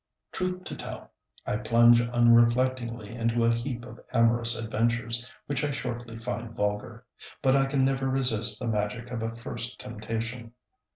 Truth to tell, I plunge unreflectingly into a heap of amorous adventures which I shortly find vulgar. But I can never resist the magic of a first temptation.